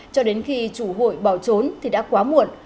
cho đến khi chủ hụi bỏ trốn thì đã quá muộn